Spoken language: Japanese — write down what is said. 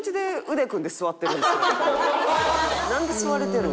なんで座れてるん？